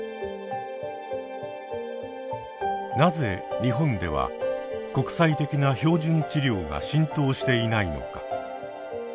なぜ日本では国際的な標準治療が浸透していないのか。